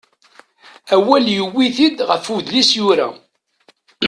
Awal yuwi-t-id ɣef udlis yura.